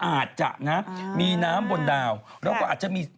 นั่นหมายความว่าเป็นไปได้ว่าอาจจะมีน้ำ